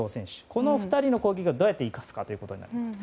この２人の攻撃をどうやって生かすかになります。